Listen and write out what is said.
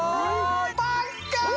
パッカーン！